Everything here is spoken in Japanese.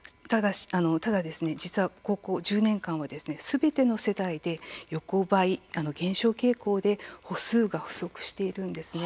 ただ実はここ１０年間すべての世代で横ばい減少傾向で歩数が不足しているんです。